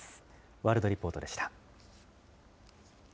ワールドリポートでした。